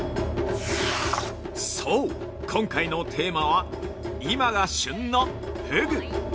◆そう、今回のテーマは今が旬のふぐ。